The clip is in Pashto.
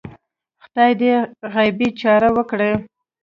خدای دې غیبي چاره وکړه